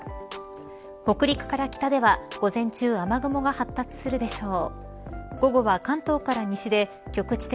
北陸から北では午前中雨雲が発達するでしょう。